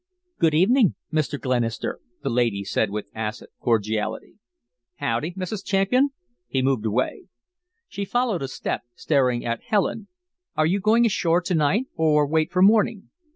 "Good evening, Mr. Glenister," the lady said with acid cordiality. "Howdy, Mrs. Champian?" He moved away. She followed a step, staring at Helen. "Are you going ashore to night or wait for morning?"